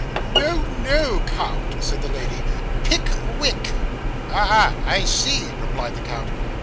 'No, no, count,' said the lady, 'Pick wick.' 'Ah, ah, I see,' replied the count.